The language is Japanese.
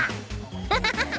ハハハハ！